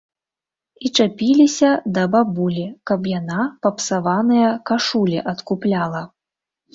І чапіліся да бабулі, каб яна папсаваныя кашулі адкупляла.